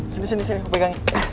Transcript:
sini sini sini gue pegangin